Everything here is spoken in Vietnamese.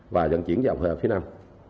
và dần chuyển vào phía nam